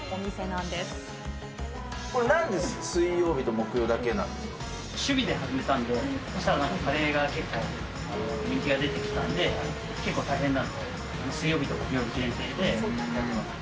なんで水曜日と木曜だけなん趣味で始めたんで、そうしたらなんか、カレーが結構、人気が出てきたんで、結構、大変なんで、水曜日と木曜日限定でやってます。